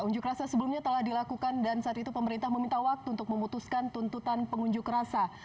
unjuk rasa sebelumnya telah dilakukan dan saat itu pemerintah meminta waktu untuk memutuskan tuntutan pengunjuk rasa